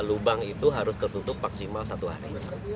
lubang itu harus tertutup maksimal satu hari